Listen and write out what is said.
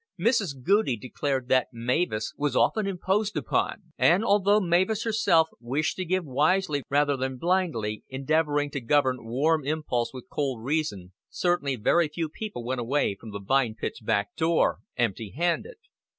Mrs. Goudie declared that Mavis was often imposed upon; and, although Mavis herself wished to give wisely rather than blindly, endeavoring to govern warm impulse with cold reason, certainly very few people went away from the Vine Pits back door empty handed.